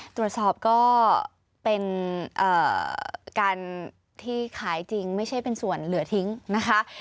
ตรวจสอบก็เป็นการที่ขายจริงไม่ใช่เป็นส่วนเหลือทิ้งนะคะ